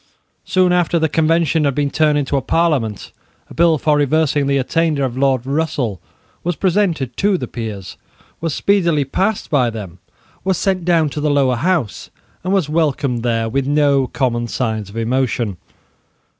Soon after the Convention had been turned into a Parliament, a bill for reversing the attainder of Lord Russell was presented to the peers, was speedily passed by them, was sent down to the Lower House, and was welcomed there with no common signs of emotion.